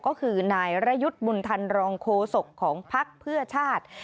ก็คือนายรยุทธ์บุญธรรมโคศกของภักดิ์เพื่อชาติ